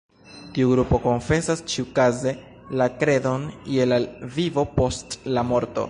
Tiu grupo konfesas ĉiukaze la kredon je la vivo post la morto.